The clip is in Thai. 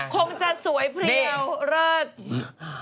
คงจะสวยเพลียวเลิศ